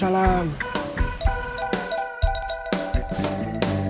gak ada yang pake